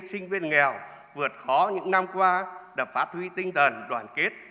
sinh viên nghèo vượt khó những năm qua đã phát huy tinh thần đoàn kết